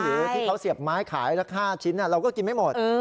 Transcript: หรือที่เขาเสียบไม้ขายละ๕ชิ้นเราก็กินไม่หมด